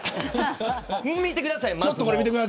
見てください、まず。